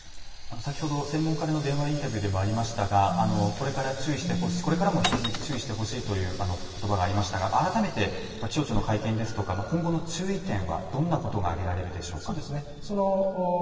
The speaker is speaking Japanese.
先ほど専門家からの電話インタビューでもありましたがこれからも引き続き注意してほしいということばがありましたが改めて気象庁の会見ですとか今後の注意点はどんなことが挙げられるでしょうか。